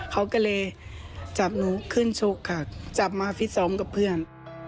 เขาก็เลยจับหนูขึ้นชกค่ะจับมาฟิตซ้อมกับเพื่อน